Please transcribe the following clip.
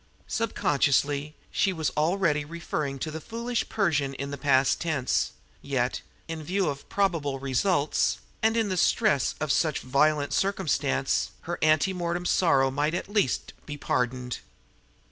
Sub consciously, she was already referring to the foolish Persian in the past tense; yet, in view of probable results, and in the stress of such violent circumstance, her anti mortem sorrow might at least be pardoned.